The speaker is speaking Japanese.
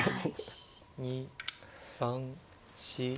１２３４。